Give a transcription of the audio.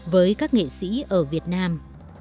với các nghệ sĩ ở việt nam